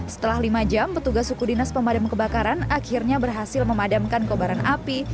setelah lima jam petugas suku dinas pemadam kebakaran akhirnya berhasil memadamkan kobaran api